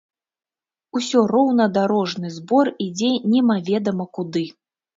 Усё роўна дарожны збор ідзе немаведама куды.